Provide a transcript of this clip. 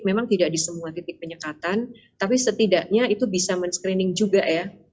memang tidak di semua titik penyekatan tapi setidaknya itu bisa men screening juga ya